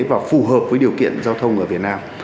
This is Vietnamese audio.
và phù hợp với điều kiện giao thông ở việt nam